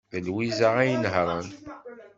D Lwiza ay inehhṛen.